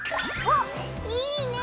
おっいいね